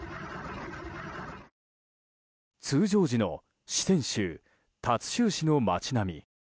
通常時の四川省達州市の街並み。